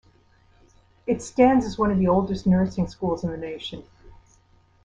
It stands as one of the oldest nursing schools in the nation.